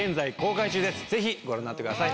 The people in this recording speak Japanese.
ぜひご覧になってください